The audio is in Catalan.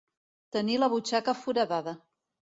Tenir la butxaca foradada.